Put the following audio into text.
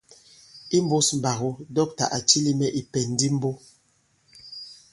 Imbūs mbàgo dɔ̂ktà à cilī mɛ̀ ìpɛ̀n di mbo.